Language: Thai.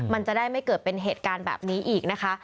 มันจะได้ไม่เกิดเป็นเหตุการณ์แบบนี้อีกนะคะ